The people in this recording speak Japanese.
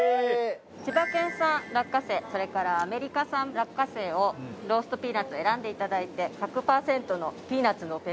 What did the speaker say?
・千葉県産落花生それからアメリカ産落花生をローストピーナッツを選んでいただいてへえ